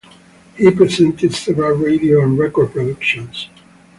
He presented several radio and record productions.